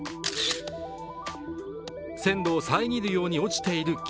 線路を遮るように落ちている木。